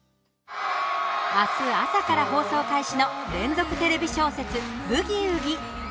明日、朝から放送開始の連続テレビ小説「ブギウギ」。